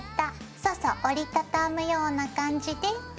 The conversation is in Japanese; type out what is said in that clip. そうそう折り畳むような感じで。